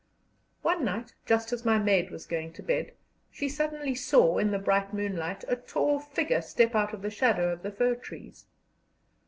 One night, just as my maid was going to bed, she suddenly saw, in the bright moonlight, a tall figure step out of the shadow of the fir trees.